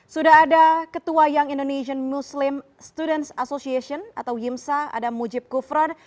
sudah ada ketua young indonesian muslim students association atau yimsa ada mujib kufron